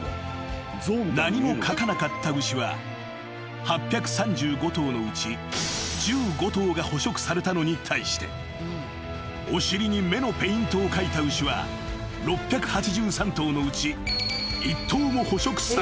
［何も描かなかった牛は８３５頭のうち１５頭が捕食されたのに対してお尻に目のペイントを描いた牛は６８３頭のうち１頭も捕食されなかったのだ］